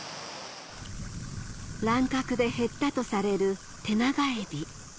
乱獲で減ったとされるテナガエビ